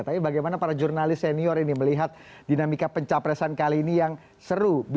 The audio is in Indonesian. tapi bagaimana para jurnalis senior ini melihat dinamika pencapresan kali ini yang seru